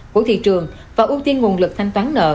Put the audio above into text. của thị trường và ưu tiên nguồn lực thanh toán nợ